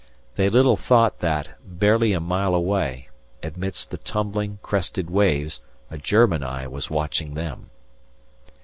They little thought that, barely a mile away, amidst the tumbling, crested waves a German eye was watching them!